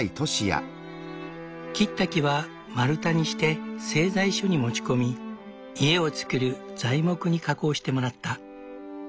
切った木は丸太にして製材所に持ち込み家をつくる材木に加工してもらった。